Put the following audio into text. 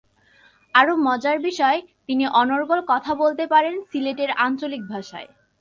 আরও মজার বিষয়, তিনি অনর্গল কথা বলতে পারেন সিলেটের আঞ্চলিক ভাষায়।